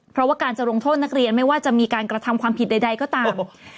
เพราะว่าการจะลงโทษนักเรียนไม่ว่าจะมีการกระทำความผิดใดก็ตาม